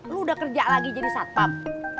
lu udah kerja lagi jadi satpam